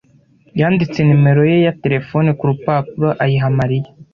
yanditse nimero ye ya terefone ku rupapuro ayiha Mariya.